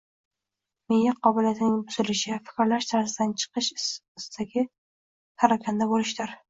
miya qobiliyatining buzilishi, fikrlash tarzining ishdan chiqishi, parokanda bo‘lishidir.